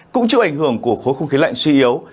cũng chịu ảnh hưởng của khối không khí lạnh suy yếu